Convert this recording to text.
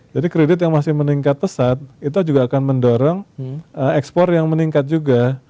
jadi kredit yang masih meningkat pesat itu juga akan mendorong ekspor yang meningkat juga